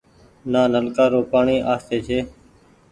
نآ نلڪآ رو پآڻيٚ آستي ڇي ۔